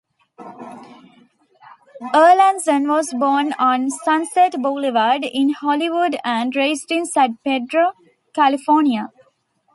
Erlandson was born on Sunset Boulevard in Hollywood and raised in San Pedro, California.